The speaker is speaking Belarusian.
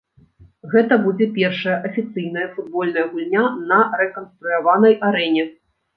Гэта будзе першая афіцыйная футбольная гульня на рэканструяванай арэне.